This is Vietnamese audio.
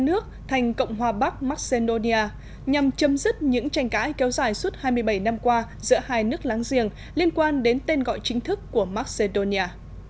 nước thành cộng hòa bắc macedonia nhằm chấm dứt những tranh cãi kéo dài suốt hai mươi bảy năm qua giữa hai nước láng giềng liên quan đến tên gọi chính thức của macedonia